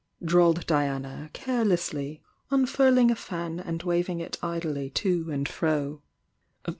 drawled Diana, care lessly, unfurling a fan and waving it idly to and fro.